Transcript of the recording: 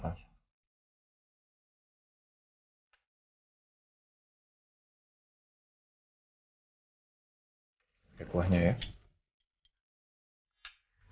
gue yang pake kuda kuda lah